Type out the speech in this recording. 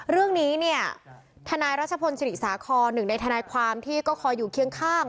เรื่องนี้ฐรศภศค๑ในฐความก็คอยอยู่เคียงข้าง